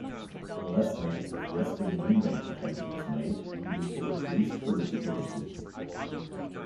A less negative resting membrane potential is made, leading to increased irritability.